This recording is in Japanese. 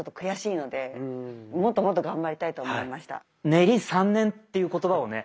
「練り三年」っていう言葉をね